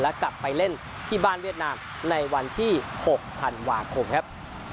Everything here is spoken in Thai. และกลับไปเล่นที่บ้านเวียดนามในวันที่๖ธันวาคมครับ